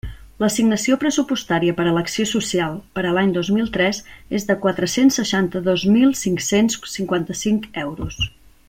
L'assignació pressupostària per a l'Acció Social, per a l'any dos mil tres, és de quatre-cents seixanta-dos mil cinc-cents cinquanta-cinc euros.